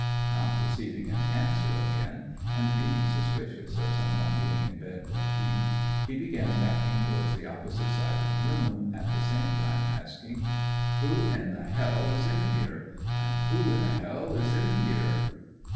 Not receiving an answer again, and being suspicious of some one being in bed with Peet, he began backing towards the opposite side of the room, at the same time asking: "Who in the h l is in here? Who in the h l is in here?"